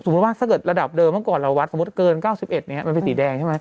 ว่าถ้าเกิดระดับเดิมเมื่อก่อนเราวัดสมมุติเกิน๙๑มันเป็นสีแดงใช่ไหม